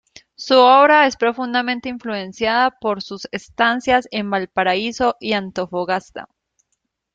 Su obra es profundamente influenciada por sus estancias en Valparaíso y Antofagasta.